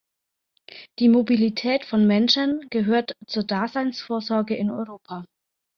Die Mobilität von Menschen gehört zur Daseinsvorsorge in Europa.